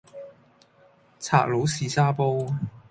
賊佬試沙煲